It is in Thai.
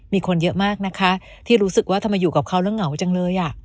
มีคนเยอะมากนะคะที่รู้สึกว่าทำไมอยู่กับเขาแล้วเหงาจังเลย